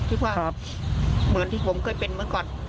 คิดว่าเหมือนที่ผมเคยเป็นเมื่อก่อน